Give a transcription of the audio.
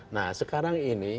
nah sekarang ini